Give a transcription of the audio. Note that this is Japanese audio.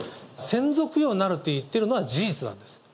先祖供養になると言ってるのは、事実なんです。